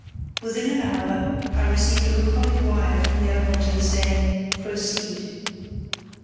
Within an hour I received a laconic wire from the Admiralty saying "Proceed."